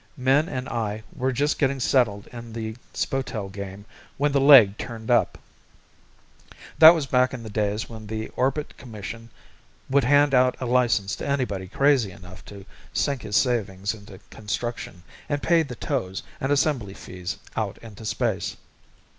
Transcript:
Min and I were just getting settled in the spotel game when the leg turned up. That was back in the days when the Orbit Commission would hand out a license to anybody crazy enough to sink his savings into construction and pay the tows and assembly fees out into space.